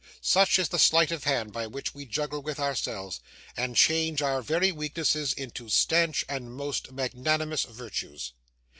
Such is the sleight of hand by which we juggle with ourselves, and change our very weaknesses into stanch and most magnanimous virtues!